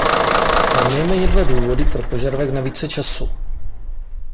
Mám nejméně dva důvody pro požadavek na více času.